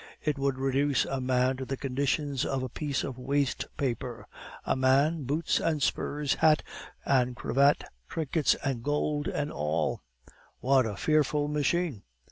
It would reduce a man to the conditions of a piece of waste paper; a man boots and spurs, hat and cravat, trinkets and gold, and all " "What a fearful machine!"